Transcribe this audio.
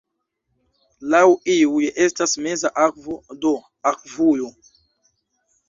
Laŭ iuj estas "meza akvo", do akvujo.